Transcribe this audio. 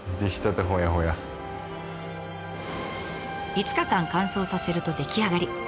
５日間乾燥させると出来上がり！